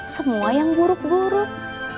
semua yang guruk guruk